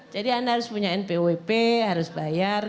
jadi anda harus punya npwp harus bayar